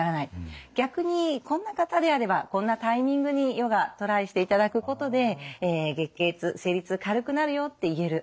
逆にこんな方であればこんなタイミングにヨガトライしていただくことで月経痛生理痛軽くなるよって言える。